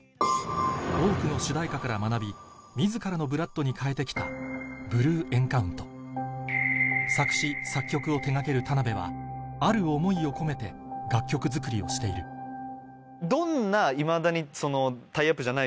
多くの主題歌から学び自らのＢＬＯＯＤに変えて来たＢＬＵＥＥＮＣＯＵＮＴ作詞作曲を手掛ける田はある想いを込めて楽曲作りをしているどんな。